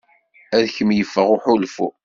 Ad kem-yeffeɣ uḥulfu.